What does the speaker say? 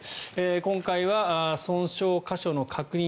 今回は損傷箇所の確認